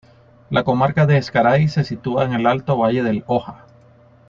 La comarca de Ezcaray se sitúa en el Alto Valle del Oja.